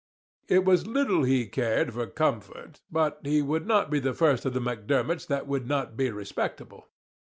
It was little he cared for comfort, but he would not be the first of the Macdermots that would not be respectable.